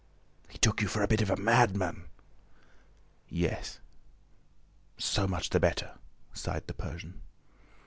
"He took you for a bit of a madman?" "Yes." "So much the better!" sighed the Persian.